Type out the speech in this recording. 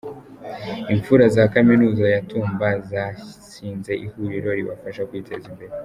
Imfura zakaminuza ya tumba zashinze ihuriro ribafasha kwiteza imbere